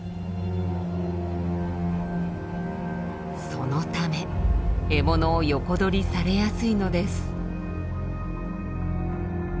そのため獲物を横取りされやすいのです。